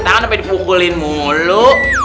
tangan sampai dipukulin mulu